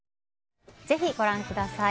ぜひご覧ください。